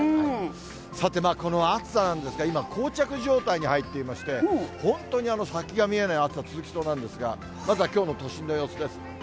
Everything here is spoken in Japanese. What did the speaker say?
さて、この暑さなんですが、今、こう着状態に入っていまして、本当に先が見えない暑さ続きそうなんですが、まずはきょうの都心の様子です。